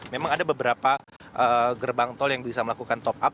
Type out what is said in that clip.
memang ada beberapa gerbang tol yang bisa melakukan top up